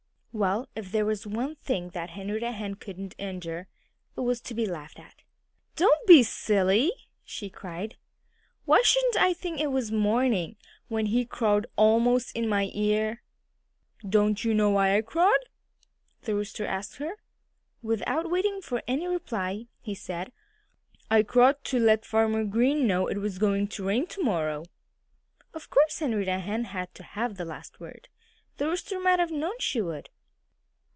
Well, if there was one thing that Henrietta Hen couldn't endure, it was to be laughed at. "Don't be silly!" she cried. "Why shouldn't I think it was morning, when he crowed almost in my ear?" "Don't you know why I crowed?" the Rooster asked her. And without waiting for any reply, he said, "I crowed to let Farmer Green know it was going to rain to morrow." Of course Henrietta Hen had to have the last word. The Rooster might have known she would.